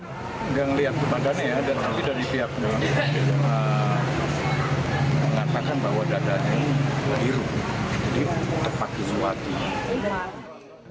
tidak melihat kepadanya tapi dari pihaknya mengatakan bahwa dada ini biru jadi terpaksa